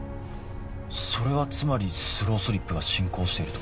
それはつまりスロースリップが進行していると？